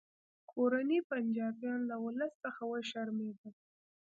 کورني پنجابیان له ولس څخه وشرمیدل